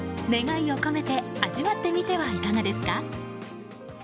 願いを込めて味わってみてはいかがですか？